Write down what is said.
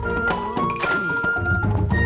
terus pindah lewat kamu